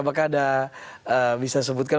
apakah ada bisa sebutkan